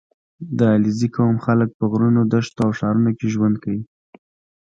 • د علیزي قوم خلک په غرونو، دښتو او ښارونو کې ژوند کوي.